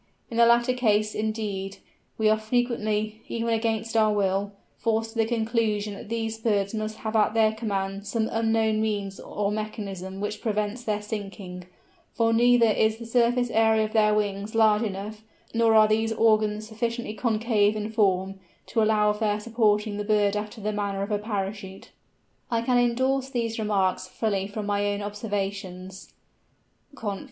In the latter case, indeed, we are frequently, even against our will, forced to the conclusion that these birds must have at their command some unknown means or mechanism which prevents their sinking; for neither is the surface area of their wings large enough, nor are these organs sufficiently concave in form, to allow of their supporting the bird after the manner of a parachute." I can endorse these remarks fully from my own observations (Conf.